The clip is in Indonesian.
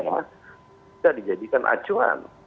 bisa dijadikan acuan